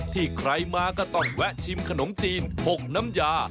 ใครมาก็ต้องแวะชิมขนมจีน๖น้ำยา